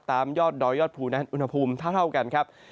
ยอดดอยยอดภูนั้นอุณหภูมิเท่ากันครับ